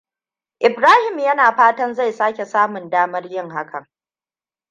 Ibrahim yana fatan zai sake samun damar yin hakan.